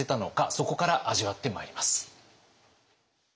そこから味わってまいります。